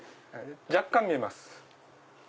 若干見えます。